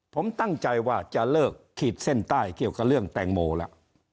ผมตั้งใจว่าจะเลิกขีดเส้นใต้เกี่ยวกับเรื่องแตงโมแล้ว